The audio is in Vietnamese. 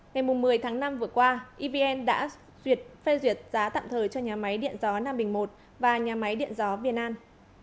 ngày một mươi tháng năm vừa qua evn đã phê duyệt giá tạm thời cho nhà máy điện gió nam bình i và nhà máy điện gió biên an